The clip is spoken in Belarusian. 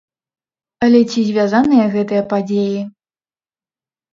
Але ці звязаныя гэтыя падзеі?